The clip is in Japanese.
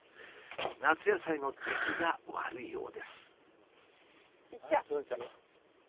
夏野菜の出来が悪いようです。